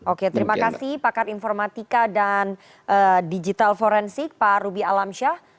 oke terima kasih pakar informatika dan digital forensik pak ruby alamsyah